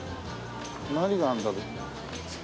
何があるんだろう？